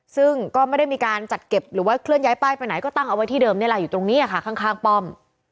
ซึ่งก็ไม่ได้มีการจัดเก็บหรือว่าเคลื่อนย้ายป้ายไปไหนก็ตั้งเอาไว้ที่เดิมนี่แหละอยู่ตรงนี้ค่ะข้างป้อม